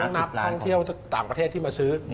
นักท่องเที่ยวต่างประเทศที่มาซื้อ